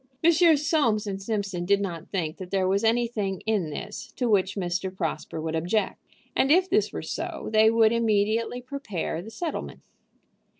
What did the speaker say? Messrs. Soames & Simpson did not think that there was anything in this to which Mr. Prosper would object, and if this were so, they would immediately prepare the settlement.